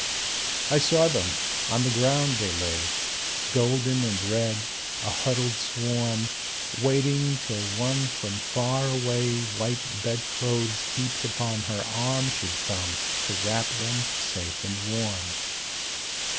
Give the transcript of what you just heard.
I saw them; on the ground they lay, Golden and red, a huddled swarm, Waiting till one from far away, White bedclothes heaped upon her arm, Should come to wrap them safe and warm.